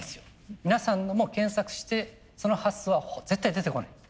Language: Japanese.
皆さんのも検索してその発想は絶対出てこない。